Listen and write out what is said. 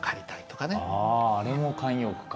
あれも慣用句か。